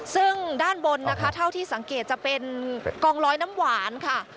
ซึ่งด้านบนนะคะเท่าที่สังเกตจะเป็นกองร้อยน้ำหวานค่ะ